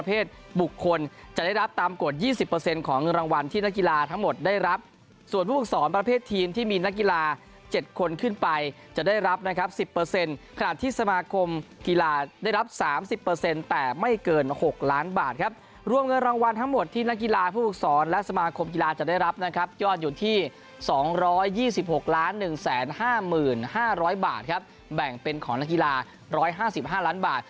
เป็นของเงินรางวัลที่นักกีฬาทั้งหมดได้รับส่วนผู้ปลูกศรประเภททีมที่มีนักกีฬา๗คนขึ้นไปจะได้รับนะครับ๑๐ขนาดที่สมาคมกีฬาได้รับ๓๐แต่ไม่เกิน๖ล้านบาทครับร่วมเงินรางวัลทั้งหมดที่นักกีฬาผู้ปลูกศรและสมาคมกีฬาจะได้รับนะครับยอดอยู่ที่๒๒๖๑๕๕๐๐๐บาทครับแบ่งเป็นของนัก